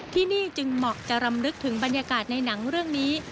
ที่นี่จึงเหมาะจะรำลึกถึงบรรยากาศในหนังเรื่องนี้